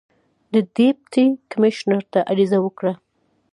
د ډیپټي کمیشنر ته عریضه وکړه.